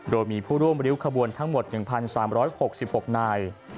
โดยมีผู้ร่วมริ้วขบวนทั้งหมด๑๓๖๖นาย